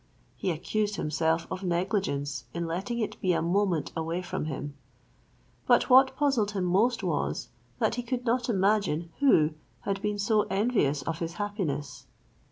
He accused himself of negligence in letting it be a moment away from him. But what puzzled him most was, that he could not imagine who had been so envious of his happiness.